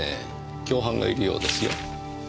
共犯がいるようですよ。